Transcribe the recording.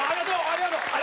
ありがとう！